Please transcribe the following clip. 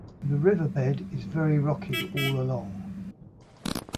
The riverbed is very rocky all along.